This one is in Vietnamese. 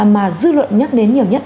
mà dư luận nhắc đến nhiều nhất